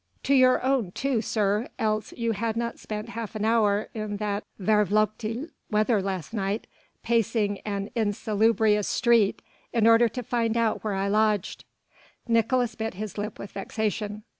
"To your own too, sir, else you had not spent half an hour in that vervloekte weather last night pacing an insalubrious street in order to find out where I lodged." Nicolaes bit his lip with vexation.